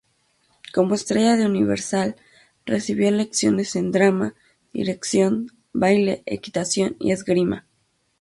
Como estrella de Universal, recibió lecciones en drama, dicción, baile, equitación y esgrima.